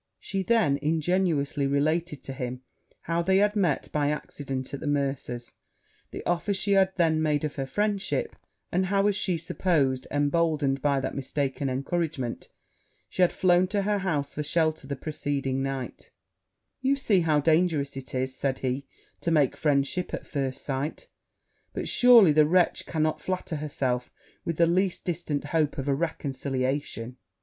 She then ingenuously related to him how they had met by accident at the mercer's the offer she had then made of her friendship; and how, as she supposed, emboldened by that mistaken encouragement, she had flown to her house for shelter the preceding night: 'You see how dangerous it is,' said he, 'to make friendship at first sight; but surely the wretch cannot flatter herself with the least distant hope of a reconciliation?'